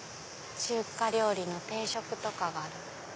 中華料理の定食とかがある。